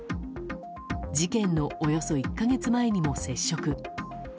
事件のおよそ１か月前にも接触。